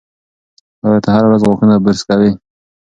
ایا ته هره ورځ غاښونه برس کوې؟